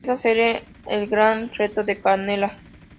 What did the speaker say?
Este será el gran reto de Canela.